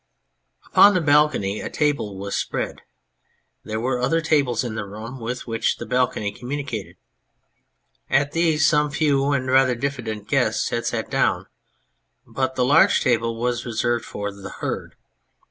Upon the balcony a table was spread ; there were other tables in the room with which the balcony communicated. At these some few and rather diffi dent guests had sat down ; but the large table was reserved for the Herd.